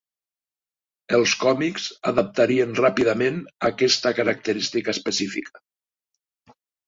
Els còmics adaptarien ràpidament aquesta característica específica.